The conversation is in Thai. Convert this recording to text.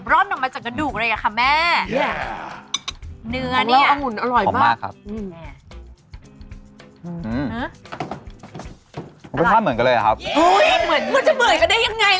ต้องชิ้นนี้เสียกรอบเพราะเราดีหมดทุกชิ้น